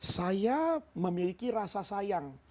saya memiliki rasa sayang